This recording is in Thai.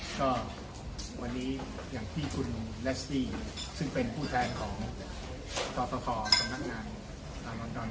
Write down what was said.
ก็วันนี้อย่างที่คุณแลสตี้ซึ่งเป็นผู้แทนของต่อประคองกับนักงานละรอนดอน